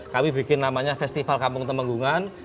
kami bikin namanya festival kampung temenggungan